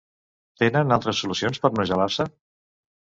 Tenen altres solucions per no gelar-se?